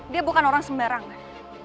dia bukan orang sembarangan